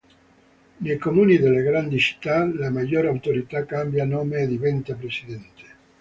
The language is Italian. Nei comuni delle grandi città la maggior autorità cambia nome e diventa Presidente.